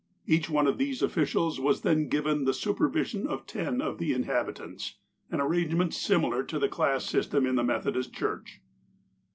Each one of these officials were then given the supervision of ten of the in habitants, an arrangement similar to the class system in the Methodist Church.